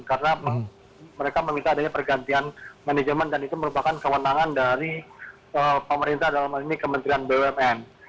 karena mereka meminta adanya pergantian manajemen dan itu merupakan kewenangan dari pemerintah dalam hal ini kementerian bumn